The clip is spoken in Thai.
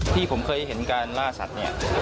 ที่ผมเคยเห็นการล่าสัตว์